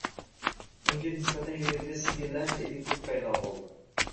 Unga nisbatan yuragida singillarcha iliqlik paydo bo’ldi.